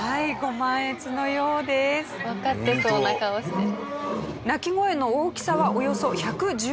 わかってそうな顔してる。